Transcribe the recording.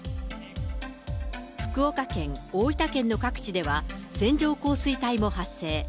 福岡県、大分県の各地では、線状降水帯も発生。